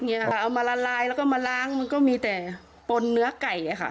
เอามาละลายแล้วก็มาล้างมันก็มีแต่ปนเนื้อไก่ค่ะ